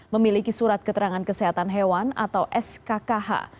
memiliki surat keterangan kesehatan hewan atau skkh